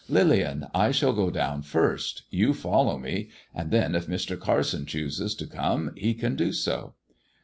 Lillian, I shall go down first, you follow me, and then if Mr. Carson chooses to come he can do so.''